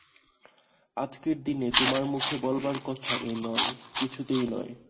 আজকের দিনে তোমার মুখে বলবার কথা এ নয়, কিছুতেই নয়।